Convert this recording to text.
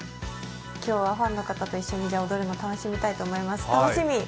今日はファンの方と一緒に踊れるのを楽しみにしたいと思います。